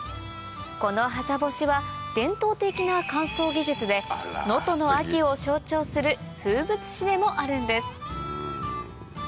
このはざ干しは伝統的な乾燥技術でを象徴する風物詩でもあるんです